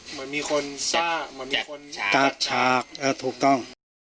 เหมือนมีคนซ่าเหมือนมีคนตัดฉากถูกต้อง